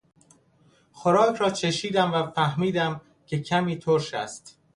خوراک را چشیدم و فهمیدم که کمی ترش است.